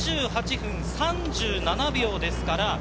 ２８分３７秒ですから。